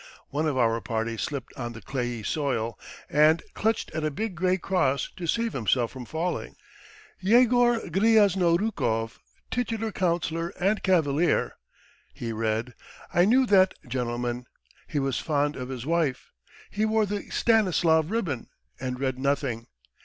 One of our party slipped on the clayey soil, and clutched at a big grey cross to save himself from falling. "Yegor Gryaznorukov, titular councillor and cavalier .." he read. "I knew that gentleman. He was fond of his wife, he wore the Stanislav ribbon, and read nothing.